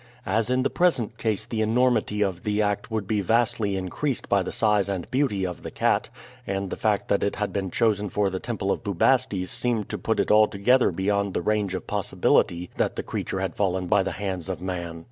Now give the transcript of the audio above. As in the present case the enormity of the act would be vastly increased by the size and beauty of the cat, and the fact that it had been chosen for the temple of Bubastes seemed to put it altogether beyond the range of possibility that the creature had fallen by the hands of man.